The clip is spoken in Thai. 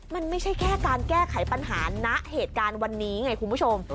มันไม่ใช่แค่การแก้ไขปัญหาณเหตุการณ์วันนี้ไงคุณผู้ชม